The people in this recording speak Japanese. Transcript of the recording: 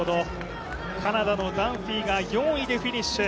カナダのダンフィーが４位でフィニッシュ。